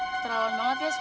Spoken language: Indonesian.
keterawan banget ya suaminya